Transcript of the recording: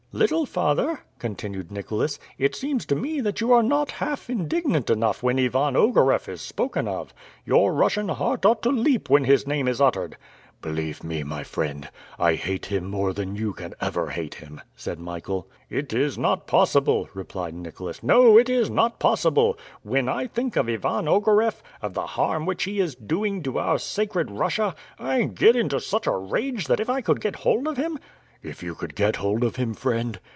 "Little father," continued Nicholas, "it seems to me that you are not half indignant enough when Ivan Ogareff is spoken of. Your Russian heart ought to leap when his name is uttered." "Believe me, my friend, I hate him more than you can ever hate him," said Michael. "It is not possible," replied Nicholas; "no, it is not possible! When I think of Ivan Ogareff, of the harm which he is doing to our sacred Russia, I get into such a rage that if I could get hold of him " "If you could get hold of him, friend?"